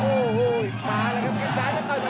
โอ้โหมาแล้วกันครับก่อนจะค้าว่างเกี่ยวกัน